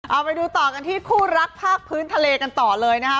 เอาไปดูต่อกันที่คู่รักภาคพื้นทะเลกันต่อเลยนะคะ